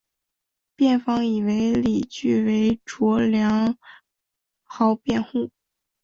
辩方以为理据为卓良豪辩护。